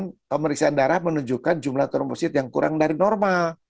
dan pemeriksaan darah menunjukkan jumlah termosit yang kurang dari normal